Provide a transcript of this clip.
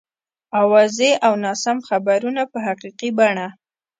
اوازې او ناسم خبرونه په حقیقي بڼه.